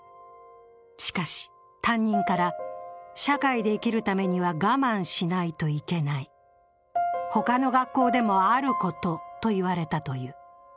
しかし、担任から、社会で生きるためには我慢しないといけない他の学校でもあることと言われたという。